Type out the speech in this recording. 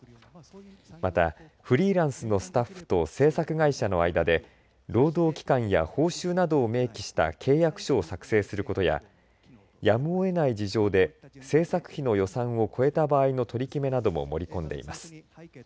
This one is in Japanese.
またフリーランスのスタッフと制作会社の間で労働期間や報酬などを明記した契約書を作成することややむをえない事情で制作費の予算を超えた場合の取り決めなども盛り込んでいます。